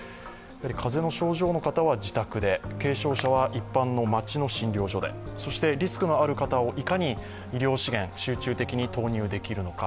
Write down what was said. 風の症状の方は自宅で軽症者は一般の町の診療所でそしてリスクのある方をいかに医療資源、集中的に投入できるのか。